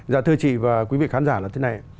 dạ thưa chị và quý vị khán giả là thế này